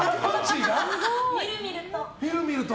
みるみると？